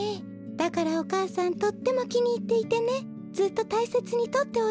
だからお母さんとってもきにいっていてねずっとたいせつにとっておいたのよ。